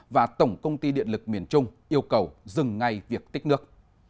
và tổng công ty điện lực miền trung yêu cầu dừng ngay việc tích nước